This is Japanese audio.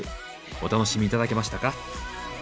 お楽しみ頂けましたか？